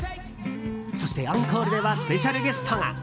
そして、アンコールではスペシャルゲストが！